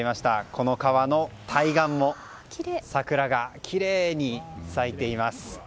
この川の対岸も桜がきれいに咲いています。